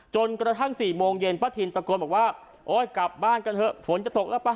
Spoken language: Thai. จนกระทั่ง๔โมงเย็นป้าทินตะโกนบอกว่าโอ๊ยกลับบ้านกันเถอะฝนจะตกแล้วป่ะ